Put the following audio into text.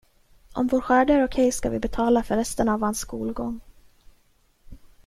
Om vår skörd är okej ska vi betala för resten av hans skolgång.